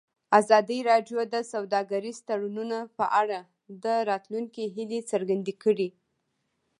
ازادي راډیو د سوداګریز تړونونه په اړه د راتلونکي هیلې څرګندې کړې.